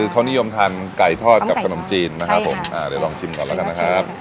เขานิยมทานไก่ทอดกับขนมจีนนะครับผมเดี๋ยวลองชิมก่อนแล้วกันนะครับ